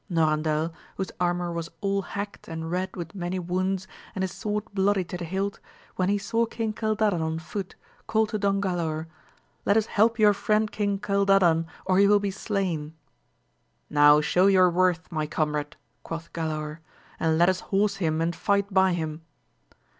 Norandel, whose armour was all hacked and red with many wounds, and his sword bloody to the hilt, when he saw King Cildadan on foot, called to Don Galaor, let us help your friend King Cildadan, or he will be slain. Now show your worth, my comrade, quoth Galaor, and let us horse him and fight by him.